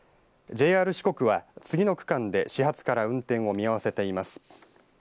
ＪＲ四国は、次の区間で始発から運転を見合わせています。